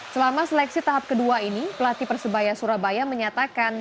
selama seleksi tahap kedua ini pelatih persebaya surabaya menyatakan